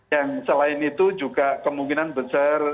yang selain itu juga kemungkinan besar